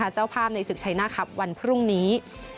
เจ้าภาพในศึกชัยหน้าครับวันพรุ่งนี้